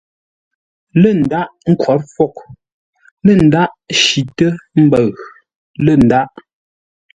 Lə̂ ndâghʼ ńkhwǒr fwôghʼ, lə̂ ndâghʼ shitə́ mbəʉ, lə̂ ndâghʼ.